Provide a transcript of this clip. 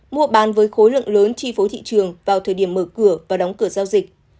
mua bán với khối lượng lớn chi phối thị trường vào thời điểm mở cửa và đóng cửa giao dịch